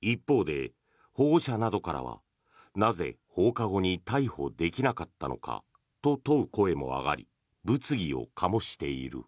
一方で、保護者などからはなぜ放課後に逮捕できなかったのかと問う声もあり物議を醸している。